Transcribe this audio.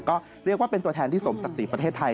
ก็เรียกว่าเป็นตัวแทนที่สมศักดิ์ศรีประเทศไทย